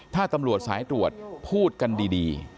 ถ้าตำรวจสายตรวจพูดกันดี